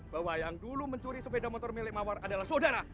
bahwa yang dulu mencuri sepeda motor milik mawar adalah saudara